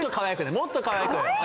もっとかわいく！